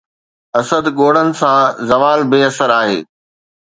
اسد ڳوڙهن سان! زوال بي اثر آهي